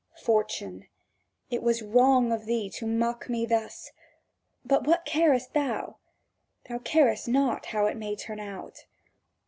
Fortune, it was wrong of thee to mock me thus; but what carest thou! Thou carest not how it may turn out.